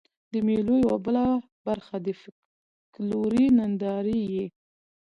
د مېلو یوه بله برخه د فکلوري نندارې يي.